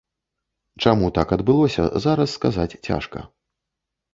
Чаму так адбылося, зараз сказаць цяжка.